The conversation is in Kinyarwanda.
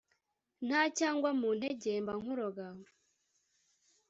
Nta cyagwa mu ntege mba nkuroga